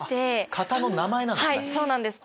形の名前なんですか。